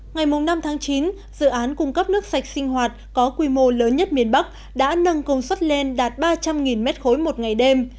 ngày năm tháng chín dự án cung cấp nước sạch sinh hoạt có quy mô lớn nhất miền bắc đã nâng công suất lên đạt ba trăm linh m ba một ngày đêm